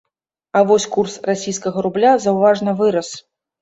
А вось курс расійскага рубля заўважна вырас.